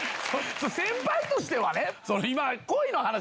先輩としてはね。